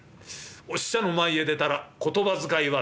お使者の前へ出たら言葉遣いは丁寧に。